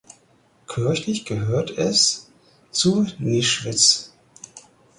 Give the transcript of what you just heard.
Kirchlich gehörte es zu Nischwitz.